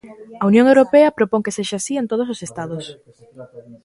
A Unión Europea propón que sexa así en todos os Estados.